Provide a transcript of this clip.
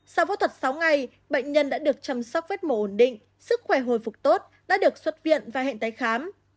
sau phẫu thuật sáu ngày bệnh nhân đã được chăm sóc vết mổ ổn định sức khỏe hồi phục tốt đã được xuất viện và hẹn tái khám